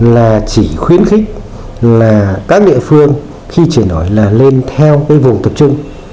là chỉ khuyến khích là các địa phương khi chuyển đổi là lên theo cái vùng tập trung